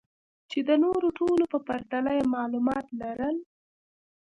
چې د نورو ټولو په پرتله يې معلومات لرل.